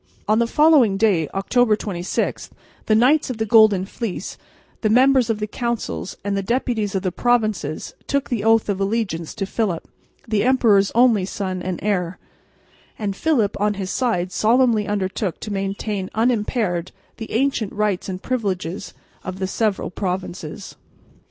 On the following day, October 26, the Knights of the Golden Fleece, the members of the Councils and the deputies of the provinces took the oath of allegiance to Philip, the emperor's only son and heir; and Philip on his side solemnly undertook to maintain unimpaired the ancient rights and privileges of the several provinces.